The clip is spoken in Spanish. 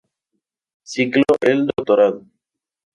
Ciclo el Doctorado.